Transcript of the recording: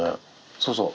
そうそう。